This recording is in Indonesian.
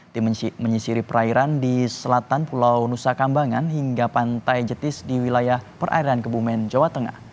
di menyisiri perairan di selatan pulau nusa kambangan hingga pantai jetis di wilayah perairan kebumen jawa tengah